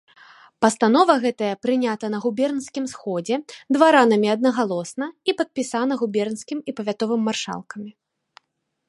Пастанова гэтая прынята на губернскім сходзе дваранамі аднагалосна і падпісана губернскім і павятовымі маршалкамі.